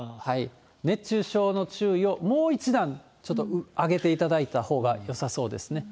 熱中症の注意をもう一段、ちょっと上げていただいたほうがよさそうですね。